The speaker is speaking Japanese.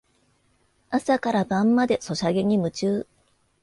朝から晩までソシャゲに夢中